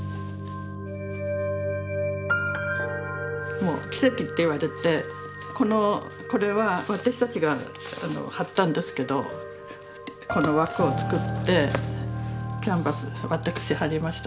もう奇跡って言われてこれは私たちが張ったんですけどこの枠を作ってキャンバス私張りましたけど。